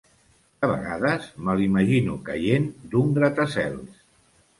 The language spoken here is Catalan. De vegades me l'imagino caient d'un gratacels.